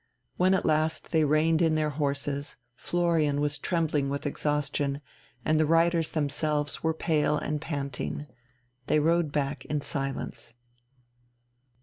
When at last they reined in their horses, Florian was trembling with exhaustion, and the riders themselves were pale and panting. They rode back in silence.